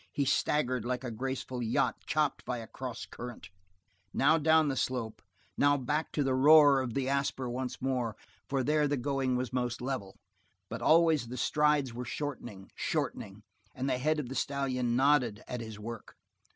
He staggered like a graceful yacht chopped by a cross current. Now down the slope, now back to the roar of the Asper once more, for there the going was most level, but always the strides were shortening, shortening, and the head of the stallion nodded at his work.